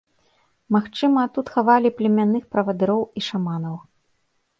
Магчыма, тут хавалі племянных правадыроў і шаманаў.